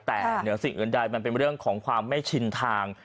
แต่เหนือสิ่งอื่นใดมันเป็นเรื่องของความไม่ชินทาง